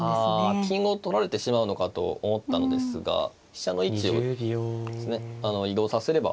あ金を取られてしまうのかと思ったのですが飛車の位置を移動させれば。